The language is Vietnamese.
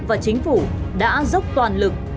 và chính phủ đã dốc toàn lực